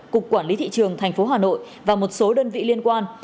cục quản lý thị trường thành phố hà nội và một số đơn vị liên quan